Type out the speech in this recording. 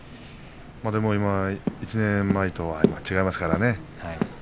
でも１年前と違いますからね。